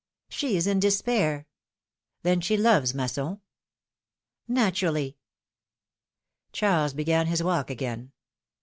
She is in despair. Then she loves Masson !" ''Naturally.^' Charles began his walk again.